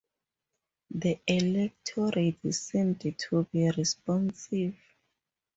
The electorate seemed to be responsive.